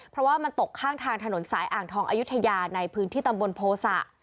เพราะว่ามันตกข้างทางถนนสายอ่างทองอายุทยาในพื้นที่ตำบลโภษะ